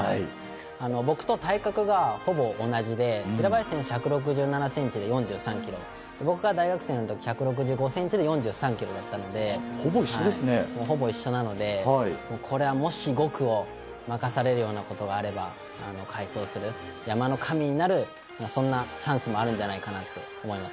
僕と体格がほぼ同じで平林選手は１７７ｃｍで４３ｋｇ僕が大学生の時に１５３ｃｍで４３ｋｇだったのでほぼ一緒なので、これはもし５区を任されるようなことがあれば快走する、山の神になるチャンスもあるんじゃないかと思います。